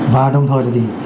và đồng thời